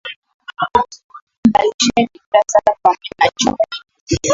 Mvalisheni dira sasa pamoja na chupi!